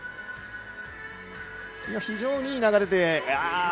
非常にいい流れで。